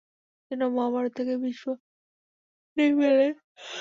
যেন মহাভারত থেকে ভীষ্ম নেমে এলেন।